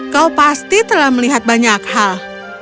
kau pasti telah melihat banyak hal